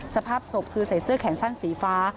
สภาพศพคือใส่เสื้อแขนสั้นสีฟ้า